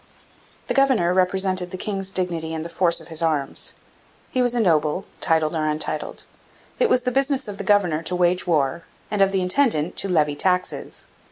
The governor represented the king's dignity and the force of his arms. He was a noble, titled or untitled. It was the business of the governor to wage war and of the intendant to levy taxes.